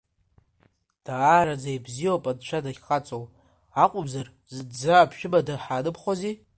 Даараӡа ибзиоуп анцәа дахьхаҵоу, акумзар зынӡа аԥшәымада ҳаанымхози.